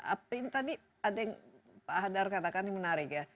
apa yang tadi pak hadar katakan yang menarik ya